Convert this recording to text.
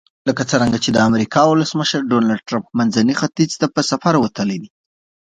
لکه څرنګه چې د امریکا ولسمشر ډونلډ ټرمپ منځني ختیځ ته په سفر وتلی.